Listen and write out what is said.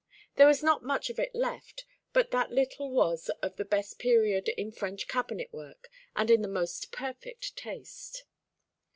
There was not much of it left, but that little was of the best period in French cabinet work, and in the most perfect taste.